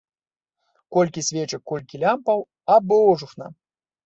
Колькі свечак, колькі лямпаў, а божухна!